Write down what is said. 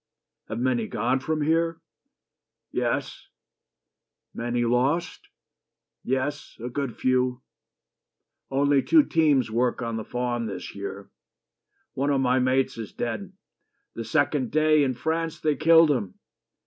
... Have many gone From here?" "Yes." "Many lost?" "Yes: good few. Only two teams work on the farm this year. One of my mates is dead. The second day In France they killed him.